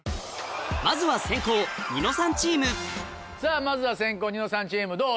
まずはさぁまずは先攻ニノさんチームどう？